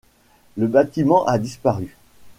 Le bâtiment a disparu.